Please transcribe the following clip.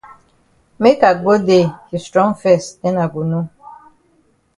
Make I go dey yi strong fes den I go know.